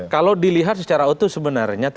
kalau dilihat secara utuh sebenarnya